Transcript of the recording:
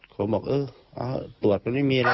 ผมบอกเออตรวจมันไม่มีอะไร